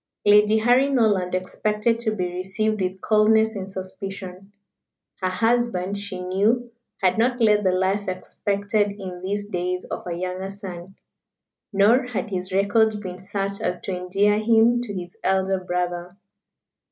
Lady Harry Norland expected to be received with coldness and suspicion. Her husband, she knew, had not led the life expected in these days of a younger son. Nor had his record been such as to endear him to his elder brother.